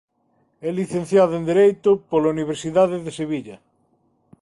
É licenciada en Dereito pola Universidade de Sevilla.